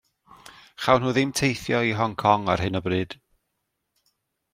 Chawn nhw ddim teithio i Hong Kong ar hyn o bryd.